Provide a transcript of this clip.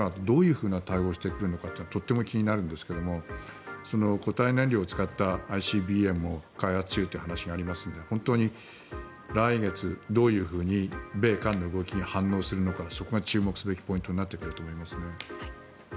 来月、米韓で実働を伴う共同の訓練を予定しているのでそれをした時に北朝鮮はどういうふうな対応をしてくるのかがとても気になるんですが固体燃料を使ったＩＣＢＭを開発中という話がありますので本当に来月、どういうふうに米韓の動きに反応するのかそこが注目すべきポイントになってくると思います。